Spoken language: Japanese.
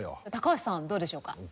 橋さんどうでしょうか？